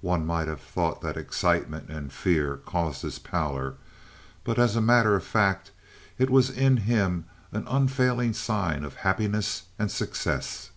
One might have thought that excitement and fear caused his pallor; but as a matter of fact it was in him an unfailing sign of happiness and success.